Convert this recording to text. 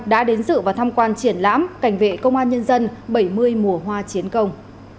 đã đến dự và tham quan triển lãm cảnh vệ công an nhân dân bảy mươi mùa hoa chiến công